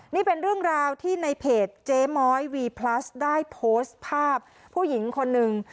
นี่เป็นเรื่องราวที่ในเพจเจ๊ม้อยวีพลัสได้โพสต์ภาพผู้หญิงคนหนึ่ง